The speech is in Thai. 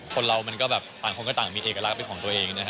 คนเรามันก็แบบต่างคนก็ต่างมีเอกลักษณ์เป็นของตัวเองนะฮะ